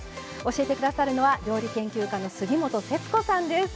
教えて下さるのは料理研究家の杉本節子さんです。